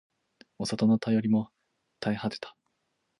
お里の便りも絶え果てた